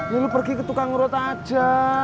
ya lu pergi ke tukang rota aja